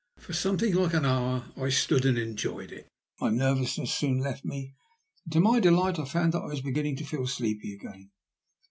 For something like an hour I stood and enjoyed it. My nervousness soon left me, and to my delight I found that I was beginning to feel sleepy again.